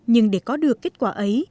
nhưng để có được kết quả